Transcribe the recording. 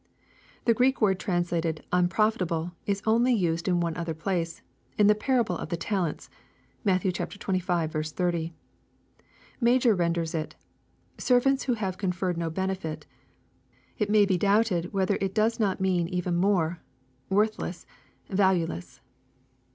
The Greek word translated " unprofitable," is only used in one other place, in the parable of the talents. (Matt xxv. 30.) Major renders it, " Servants who have conferred no benefit." It may be doubted whether it does not mean even more, "Worthless, valuele!3S."